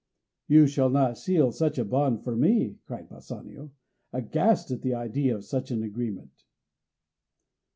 "You shall not seal to such a bond for me," cried Bassanio, aghast at the idea of such an agreement.